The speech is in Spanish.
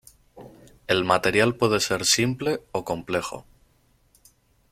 El material puede ser simple o complejo.